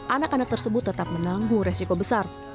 anak anak tersebut tetap menangguh risiko besar